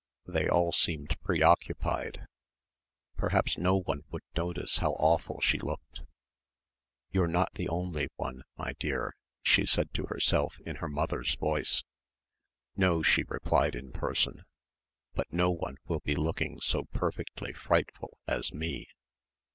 They all seemed preoccupied. Perhaps no one would notice how awful she looked. "You're not the only one, my dear," she said to herself in her mother's voice. "No," she replied in person, "but no one will be looking so perfectly frightful as me."